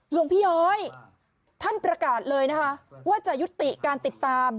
หลวงพี่ย้อยท่านประกาศเลยนะคะว่าจะยุติการติดตาม